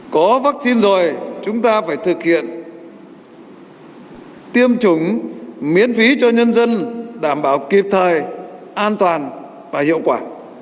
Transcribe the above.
có vaccine rồi chúng ta phải thực hiện tiêm chủng miễn phí cho nhân dân đảm bảo kịp thời an toàn và hiệu quả